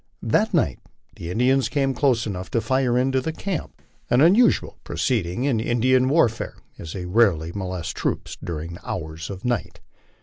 That night the Indians came close enough to fire into the camp, an unusual proceeding in Indian warfare, as they rarely molest troops during the hours of night.